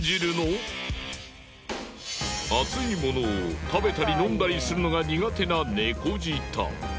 熱いものを食べたり飲んだりするのが苦手な猫舌。